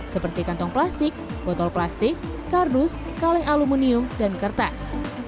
seperti kantong plastik botol plastik kardus kaleng aluminium dan kertas